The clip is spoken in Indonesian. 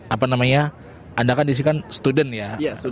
anda kan disini kan student ya